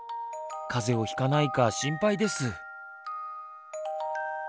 風邪をひかないか心配です。